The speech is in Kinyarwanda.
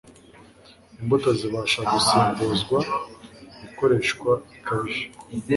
Imbuto zibasha gusimbuzwa ikoreshwa rikabije